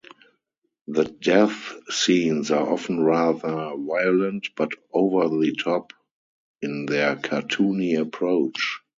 The death scenes are often rather violent, but over-the-top in their cartoony approach.